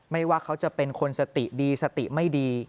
ว่าเขาจะเป็นคนสติดีสติไม่ดี